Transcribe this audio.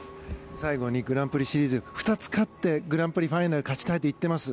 最後にグランプリシリーズ２つ勝ってグランプリファイナル勝ちたいと言っています。